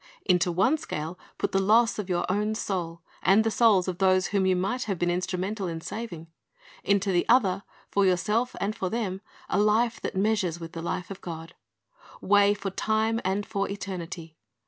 Into one scale put the loss of your own soul, and the souls of those whom you might have been instrumental in saving; into the other, for yourself and for them, a life that measures with the life of God. Weigh for time and for eternity.